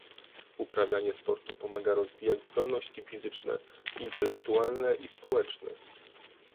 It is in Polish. Uprawianie sportu pomaga rozwijać zdolności fizyczne, intelektualne i społeczne